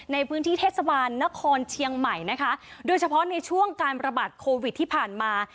ในพื้นที่เทศบาลนครเชียงใหม่นะคะโดยเฉพาะในช่วงการระบาดโควิดที่ผ่านมา